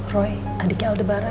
roy adiknya aldebaran